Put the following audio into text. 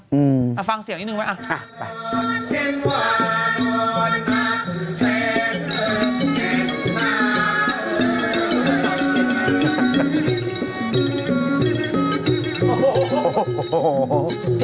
อืมมาฟังเสียงนิดหนึ่งไว้